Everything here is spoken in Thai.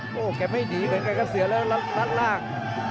โอ้โหแกไม่หนีเหมือนกันครับเสียแล้วรัดล่าง